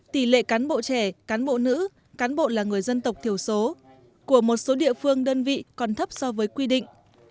tỷ lệ cán bộ trẻ cán bộ nữ cán bộ là người dân tộc thiểu số của một số địa phương đơn vị còn thấp so với quy định